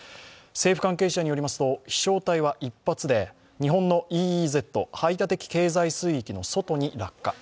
政府関係者によりますと飛しょう体は１発で日本のＥＥＺ＝排他的経済水域の外に落下。